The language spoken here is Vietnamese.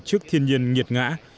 trước thiên nhiên ngay